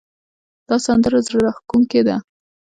دا سندره زړه راښکونکې ده